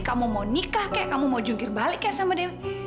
kamu mau nikah kayak kamu mau jungkir balik kayak sama dewi